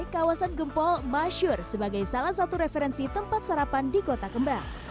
kawasan gempol masyur sebagai salah satu referensi tempat sarapan di kota kembang